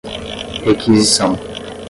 requisição